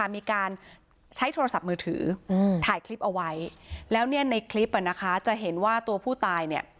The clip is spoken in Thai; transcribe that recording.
มีการใช้โทรศัพท์มือถือถ่ายคลิปเอาไว้แล้วในคลิปจะเห็นว่าตัวผู้ตาย